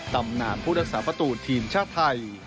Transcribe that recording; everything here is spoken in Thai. ตำนานพุทธศาสตร์ประตูทีมชาวไทย